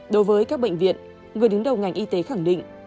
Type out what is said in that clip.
đối với các bệnh viện người đứng đầu ngành y tế khẳng định